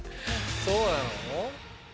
そうなの？